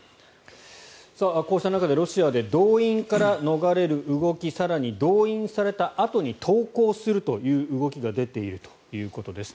こうした中でロシアで動員から逃れる動き更に、動員されたあとに投降するという動きが出ているということです。